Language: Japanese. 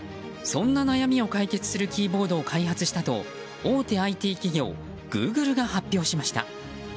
そんな悩みを解決するキーボードを開発したと大手ＩＴ企業グーグルが発表しました。